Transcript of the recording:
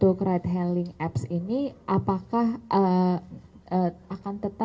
apakah ada perusahaan yang memiliki perusahaan transportasi yang akhirnya ini sudah ada di roda dua bukan di roda tiga